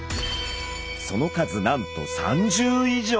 その数なんと３０以上。